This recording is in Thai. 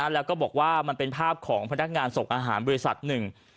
แล้วก็บอกว่ามันเป็นภาพของพนักงานส่งอาหารบริษัทหนึ่ง